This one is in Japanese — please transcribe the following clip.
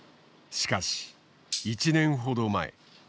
しかし１年ほど前。